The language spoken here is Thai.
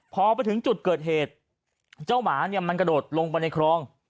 พอไปถึงจุดเกิดเหตุเจ้าหมาเนี่ยมันกระโดดลงไปในคลอง